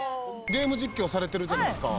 ゲーム実況されてるじゃないですか。